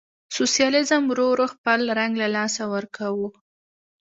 سوسیالیزم ورو ورو خپل رنګ له لاسه ورکاوه.